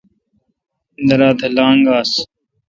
دراتھ لاگ آس۔